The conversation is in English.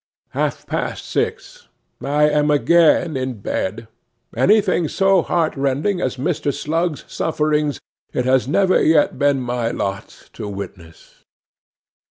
'Half past six. 'I AM again in bed. Anything so heart rending as Mr. Slug's sufferings it has never yet been my lot to witness.